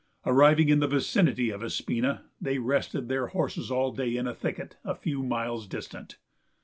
Arriving in the vicinity of Espina they rested their horses all day in a thicket a few miles distant.